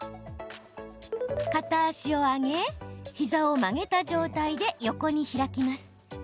片足を上げ、膝を曲げた状態で横に開きます。